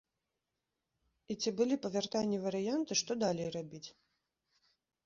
І ці былі па вяртанні варыянты, што далей рабіць?